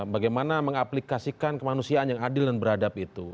bagaimana mengaplikasikan kemanusiaan yang adil dan beradab itu